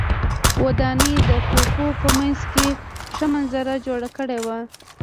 ودانۍ د تپو په منځ ښه منظره جوړه کړې وه.